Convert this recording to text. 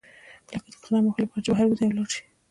لکه د قدم وهلو لپاره چې بهر وزئ او لاړ شئ.